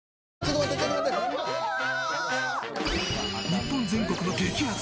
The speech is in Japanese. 日本全国の激アツ！